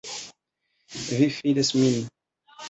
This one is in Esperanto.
Vi fidas min.